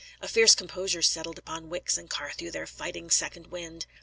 A fierce composure settled upon Wicks and Carthew, their fighting second wind.